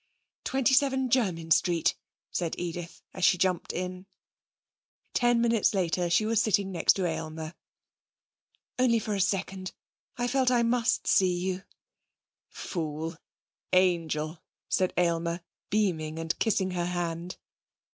'Twenty seven Jermyn Street,' said Edith as she jumped in. Ten minutes later she was sitting next to Aylmer. 'Only for a second; I felt I must see you.' 'Fool! Angel!' said Aylmer, beaming, and kissing her hand.